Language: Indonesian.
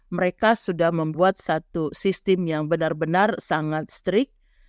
mereka sudah membuat satu sistem yang benar benar sangat strict